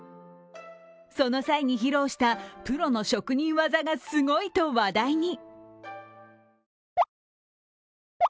その際に披露したプロの職人技がすごいと話題に。